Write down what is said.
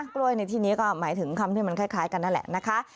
กล้วยในที่นี้ก็หมายถึงคำที่มันคล้ายกันนั่นแหละนะคะ